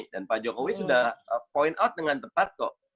dan pak jokowi sudah point out dengan tepat kok